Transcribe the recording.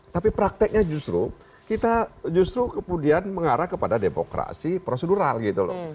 tapi prakteknya justru kita justru kemudian mengarah kepada demokrasi prosedural gitu loh